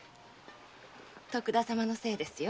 徳田様のせいですよ。